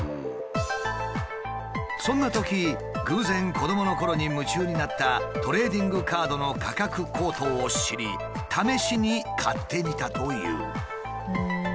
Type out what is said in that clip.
そんなとき偶然子どものころに夢中になったトレーディングカードの価格高騰を知り試しに買ってみたという。